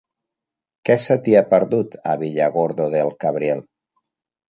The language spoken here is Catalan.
Què se t'hi ha perdut, a Villargordo del Cabriel?